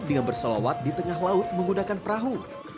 dengan bersolawat di tengah laut menggunakan perahu